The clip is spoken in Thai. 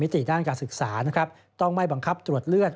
ต้องไม่บังคับตรวจเลือด